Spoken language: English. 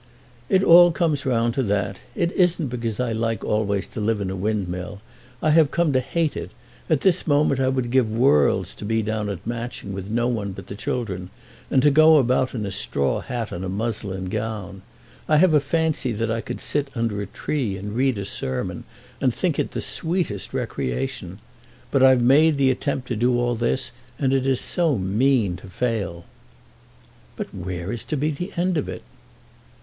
"It all comes round to that. It isn't because I like always to live in a windmill! I have come to hate it. At this moment I would give worlds to be down at Matching with no one but the children, and to go about in a straw hat and a muslin gown. I have a fancy that I could sit under a tree and read a sermon, and think it the sweetest recreation. But I've made the attempt to do all this, and it is so mean to fail!" "But where is to be the end of it?"